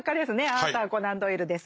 アーサー・コナン・ドイルです。